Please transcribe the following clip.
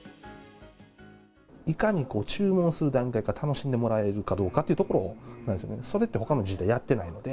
いかにこう注文する段階から楽しんでもらえるかどうかっていうところを、それってほかの自治体、やってないので。